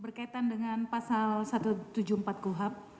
berkaitan dengan pasal satu ratus tujuh puluh empat kuhap